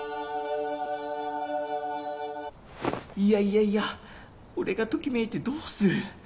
いやいやいや俺がときめいてどうする！